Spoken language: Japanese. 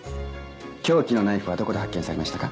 凶器のナイフはどこで発見されましたか？